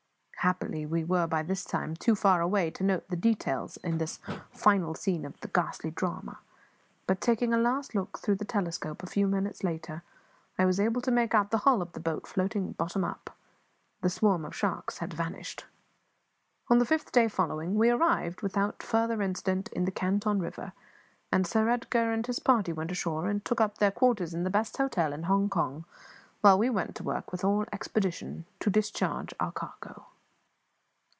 Happily we were by this time too far away to note the details in this final scene of the ghastly drama; but, taking a last look through the telescope, a few minutes later, I was able to make out the hull of the boat floating bottom up. The swarm of sharks had vanished. On the fifth day following, we arrived, without further incident, in the Canton river; and Sir Edgar and his party went ashore and took up their quarters in the best hotel in Hong Kong, while we went to work with all expedition to discharge our cargo.